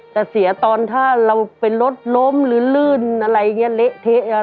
แต่เสียตอนถ้าเราเป็นรถล้มหรือลื่นอะไรอย่างนี้เละเทะ